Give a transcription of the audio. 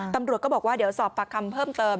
ตำรวจก็บอกว่าเดี๋ยวสอบปากคำเพิ่มเติม